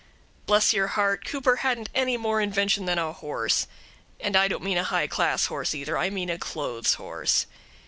Bless your heart, Cooper hadn't any more invention than a horse; and I don't mean a high class horse, either; I mean a clothes horse.